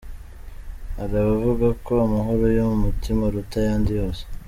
Hari abavuga ko amahoro yo mu mutima aruta ayandi yose.